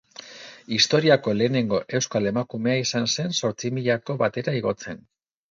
Historiako lehenengo euskal emakumea izan zen zortzimilako batera igotzen.